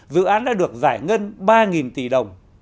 dự án đã được giải ngân ba tỷ đồng